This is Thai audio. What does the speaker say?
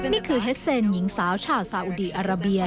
นี่คือเฮสเซนหญิงสาวชาวซาอุดีอาราเบีย